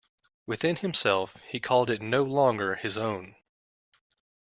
Within himself he called it no longer his own.